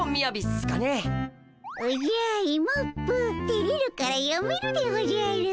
おじゃイモップてれるからやめるでおじゃる。